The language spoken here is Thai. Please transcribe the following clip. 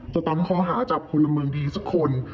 จะตั้งข้อหาจับคนละเมืองดีสักคน